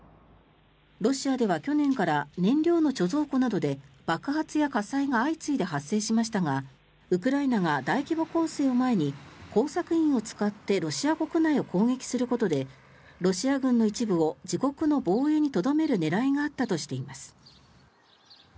ロシアでは去年から燃料の貯蔵庫などで爆発や火災が相次いで発生しましたがウクライナが大規模攻勢を前に工作員を使ってロシア国内を攻撃することでロシア軍の一部を自国の防衛にとどめる狙いがあったとしています。